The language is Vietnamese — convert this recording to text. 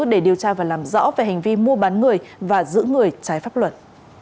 để điều tra và làm rõ về hành vi mua bán người và giữ người trái pháp luật